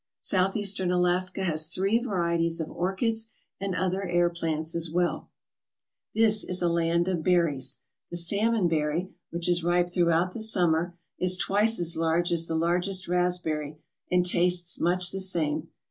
Southeastern Alaska has three varieties of orchids and other air plants as well. 61 ALASKA OUR NORTHERN WONDERLAND This is a land of berries. The salmonberry, which is ripe throughout the summer, is twice as large as the largest raspberry, and tastes much the same.